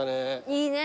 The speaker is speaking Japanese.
いいね。